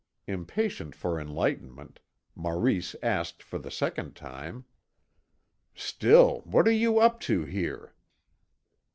Impatient for enlightenment, Maurice asked for the second time: "Still, what are you up to here?"